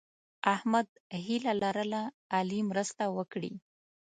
احمد هیله لرله علي مرسته وکړي.